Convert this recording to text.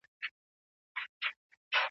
باختر یو له لرغونو او مهمو ښارونو څخه و.